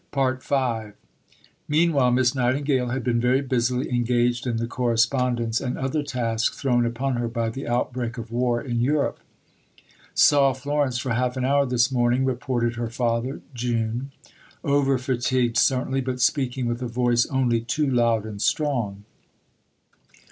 V Meanwhile Miss Nightingale had been very busily engaged with the correspondence and other tasks thrown upon her by the outbreak of war in Europe. "Saw Florence for half an hour this morning," reported her father (June); "over fatigued certainly, but speaking with a voice only too loud and strong.